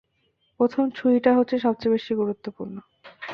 প্রথম ছুরিটা হচ্ছে সবচেয়ে বেশি গুরুত্বপূর্ণ।